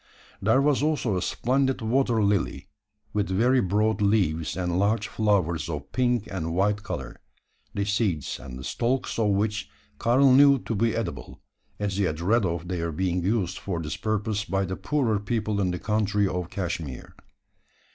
There was also a splendid water lily with very broad leaves and large flowers of pink and white colour the seeds and the stalks of which Karl knew to be edible; as he had read of their being used for this purpose by the poorer people in the country of Cashmeer.